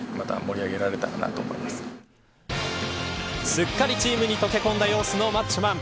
すっかりチームに溶け込んだ様子のマッチョマン。